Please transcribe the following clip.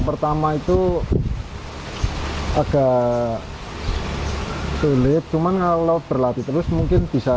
pertama itu agak